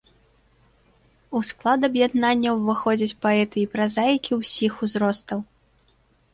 У склад аб'яднання ўваходзяць паэты і празаікі ўсіх узростаў.